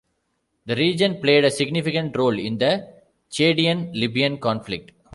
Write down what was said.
The region played a significant role in the Chadian-Libyan conflict.